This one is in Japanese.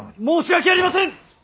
申し訳ありません！